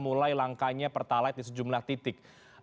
mulai langkanya pertalite di sejumlah titik